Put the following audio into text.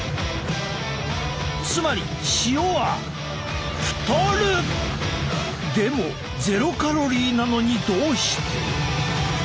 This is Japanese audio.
つまり塩はでもゼロカロリーなのにどうして？